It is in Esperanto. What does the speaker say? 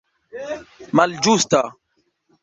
malĝusta